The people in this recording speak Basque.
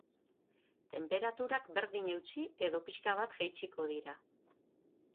Tenperaturak berdin eutsi edo pixka bat jaitsiko dira.